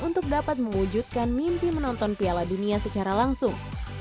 untuk dapat mewujudkan mimpi menonton piala dunia secara langsung